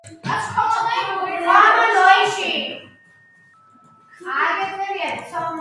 მუზეუმში პერიოდულად ეწყობა დროებითი გამოფენები.